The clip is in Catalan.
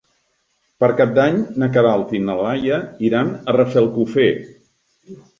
Per Cap d'Any na Queralt i na Laia iran a Rafelcofer.